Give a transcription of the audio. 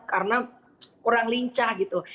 karena kurang lincah gitu